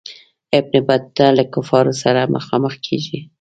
ابن بطوطه له کفارو سره مخامخ کیږي.